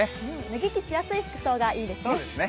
脱ぎ着しやすい服装がいいですね。